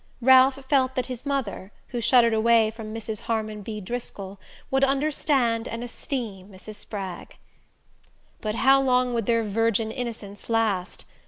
Ralph felt that his mother, who shuddered away from Mrs. Harmon B. Driscoll, would understand and esteem Mrs. Spragg. But how long would their virgin innocence last?